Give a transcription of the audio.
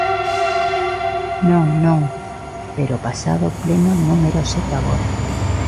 Non, non, pero o pasado pleno non é obxecto agora.